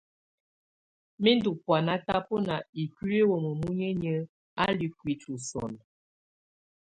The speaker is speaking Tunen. Mɛ̀ ndù bɔ̀ána tabɔna ikuili wamɛ̀á munyinyǝ á lu ikuiti sɔnɔ.